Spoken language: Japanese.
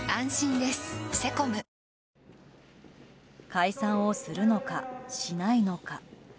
解散をするのか、しないのか。